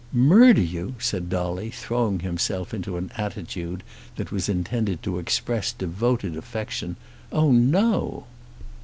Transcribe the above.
"Murder you!" said Dolly, throwing himself into an attitude that was intended to express devoted affection. "Oh no!"